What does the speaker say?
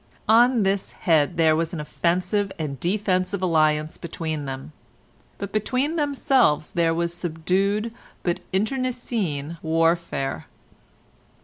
On this head there was an offensive and defensive alliance between them, but between themselves there was subdued but internecine warfare.